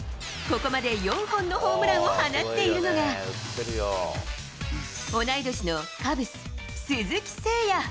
ここまで４本のホームランを放っているのが、同い年のカブス、鈴木誠也。